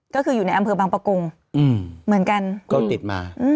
ก็คืออยู่ในอำเภอบางประกงเหมือนกันก็ติดมา